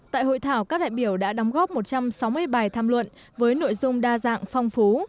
tại hội thảo các đại biểu đã đóng góp một trăm sáu mươi bài tham luận với nội dung đa dạng phong phú